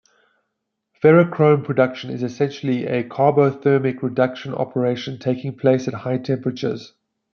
Ferrochrome production is essentially a carbothermic reduction operation taking place at high temperatures.